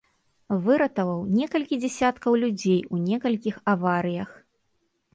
Выратаваў некалькі дзясяткаў людзей у некалькіх аварыях.